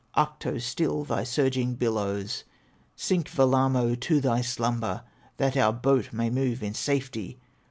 Ahto, still thy surging billows! Sink, Wellamo, to thy slumber, That our boat may move in safety.